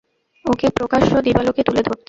ওকে প্রকাশ্য দিবালোকে তুলে ধরতে।